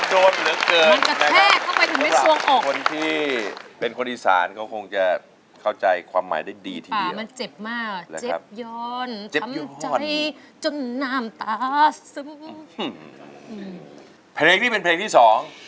จนน้ำตาซึ้มเพลงนี้เป็นเพลงที่สอง